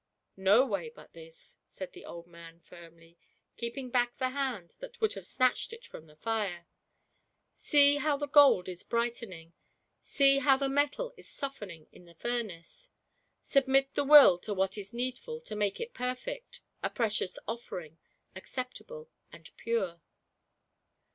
"No way but this," said the old man, firmly, keep ing back the hand that would have snatched it from the fire. " See how the gold is brightening, see how the metal is softening in the furnace. Submit the Will to what is needful to make it perfect^ a precious offering, acceptable and pure."